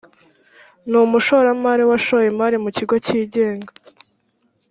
ni umushoramari washoye imari mu kigo cyigenga